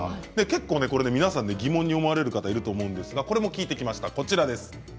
結構皆さん疑問に思われる方がいると思うんですがこれも聞いてきました。